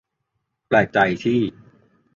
แปลกใจที่